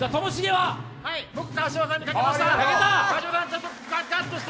僕、川島さんにかけました！